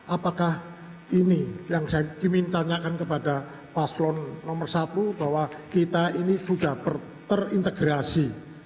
apakah ini yang saya ingin tanyakan kepada paslon nomor satu bahwa kita ini sudah terintegrasi